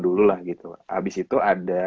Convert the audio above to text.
dulu lah gitu abis itu ada